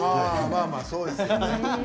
まあまあそうですよね。